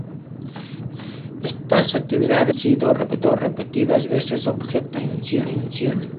Estas actividades han sido repetidas veces objeto de distinción.